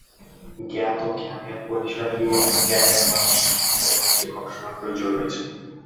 জ্ঞাত জ্ঞানের পরিসরে নতুন জ্ঞানের মাত্রা সংযোজন করতে গবেষণার প্রয়োজন রয়েছে।